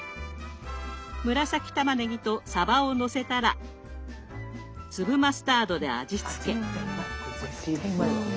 紫たまねぎとさばをのせたら粒マスタードで味付け。